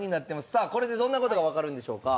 さあこれでどんな事がわかるんでしょうか？